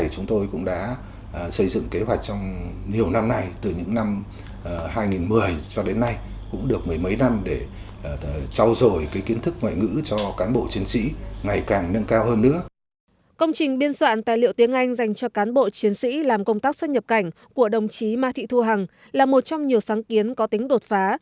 công trình biên soạn tài liệu tiếng anh dành cho cán bộ chiến sĩ làm công tác xuất nhập cảnh của đồng chí ma thị thu hằng là một trong nhiều sáng kiến có tính đột phá